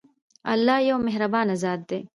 الله يو مهربان ذات دی.